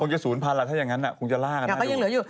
คงจะศูนย์พันล่ะถ้าอย่างนั้นคงจะลากันมาดู